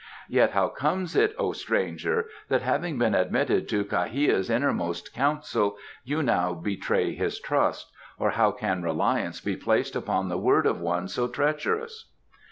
Yet how comes it, O stranger, that having been admitted to Kha hia's innermost council you now betray his trust, or how can reliance be placed upon the word of one so treacherous?"